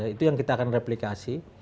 itu yang kita akan replikasi